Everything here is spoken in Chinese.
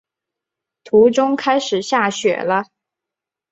途中开始下雪了